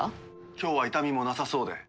今日は痛みもなさそうで。